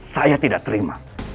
saya tidak terima